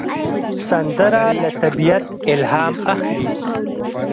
سندره له طبیعت الهام اخلي